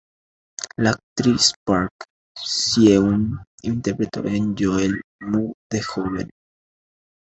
La actriz Park Si-eun interpretó a Yeol-mu de joven.